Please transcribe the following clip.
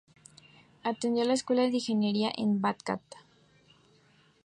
Atendió la escuela de ingeniería en Bagdad.